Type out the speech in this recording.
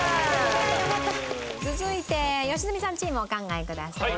続いて良純さんチームお考えください。